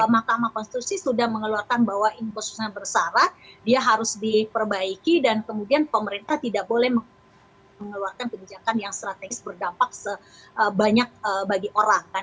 mahkamah konstitusi sudah mengeluarkan bahwa inkonsumsi bersara dia harus diperbaiki dan kemudian pemerintah tidak boleh mengeluarkan kebijakan yang strategis berdampak sebanyak bagi orang